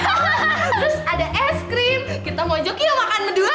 terus ada es krim kita mau jokio makan mendoain